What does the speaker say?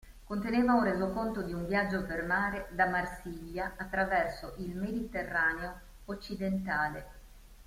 Conteneva un resoconto di un viaggio per mare da Marsiglia attraverso il Mediterraneo occidentale.